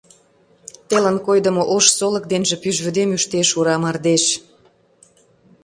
Телын койдымо ош солык денже пӱжвӱдем ӱштеш ура мардеж.